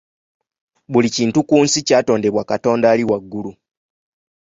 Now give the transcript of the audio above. Buli kintu ku nsi kyatondebwa Katonda ali waggulu.